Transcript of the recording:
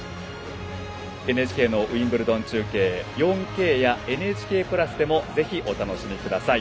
ＮＨＫのウィンブルドン中継４Ｋや「ＮＨＫプラス」でもぜひ、お楽しみください。